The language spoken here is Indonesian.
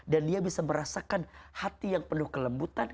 dan dia bisa merasakan hati yang penuh kelembutan